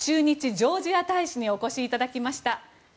ジョージア大使にお越しいただきました。